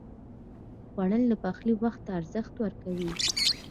خوړل د پخلي وخت ته ارزښت ورکوي